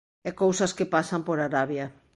E cousas que pasan por Arabia.